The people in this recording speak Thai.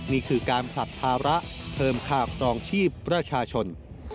นี่คือการผลักภาระเพิ่มค่าครองชีพประชาชน